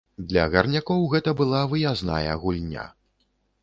Для гарнякоў гэта была выязная гульня.